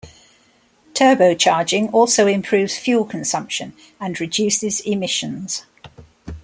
Turbocharging also improves fuel consumption and reduces emissions.